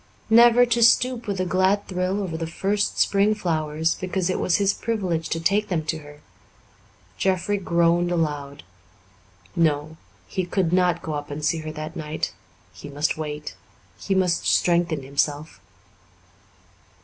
Never to stoop with a glad thrill over the first spring flowers because it was his privilege to take them to her! Jeffrey groaned aloud. No, he could not go up to see her that night; he must wait he must strengthen himself.